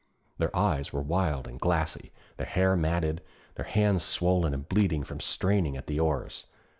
Their eyes were wild and glassy, their hair matted, their hands swollen and bleeding from straining at the oars.